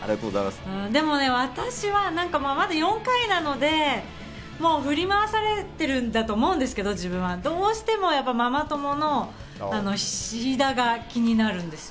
でもね私はまだ４回なので、振り回されてるんだと思うんですけど、どうしてもママ友の菱田が気になるんですよ。